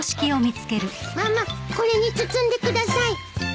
ママこれに包んでください。